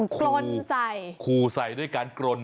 กลนใส่ขู่ใส่ด้วยการกรน